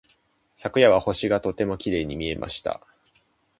昨夜は星がとてもきれいに見えました。